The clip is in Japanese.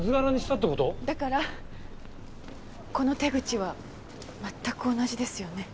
だからこの手口は全く同じですよね。